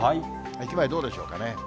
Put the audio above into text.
駅前、どうでしょうかね。